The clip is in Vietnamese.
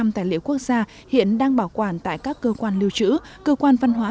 năm trăm linh tài liệu quốc gia hiện đang bảo quản tại các cơ quan lưu trữ cơ quan văn hóa